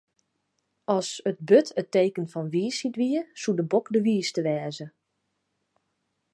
As it burd it teken fan wysheid wie, soe de bok de wiiste wêze.